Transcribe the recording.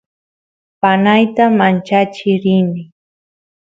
panayta manchachiy rini